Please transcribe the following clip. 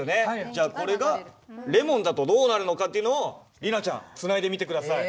じゃあこれがレモンだとどうなるのかっていうのを里奈ちゃんつないでみて下さい。